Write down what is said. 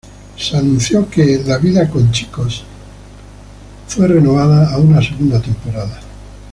Se anunció que "Life with Boys" fue renovada a una segunda temporada.